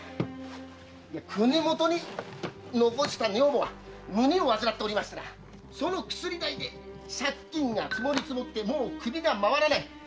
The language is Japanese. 国元に残した女房は胸を患っておりましてなその薬代で借金が積もり積もってもう首が回らない。